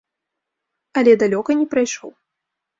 Але далёка не прайшоў.